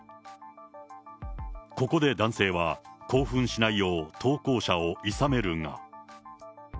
ここで男性は、興奮しないよう投稿者をいさめるが。